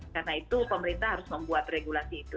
karena itu pemerintah harus membuat regulasi itu